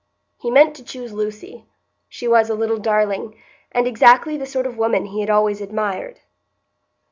He meant to choose Lucy; she was a little darling, and exactly the sort of woman he had always admired.